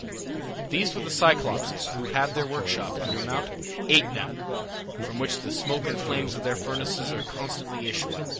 These were the Cyclopes, who have their workshop under Mount Aetna, from which the smoke and flames of their furnaces are constantly issuing.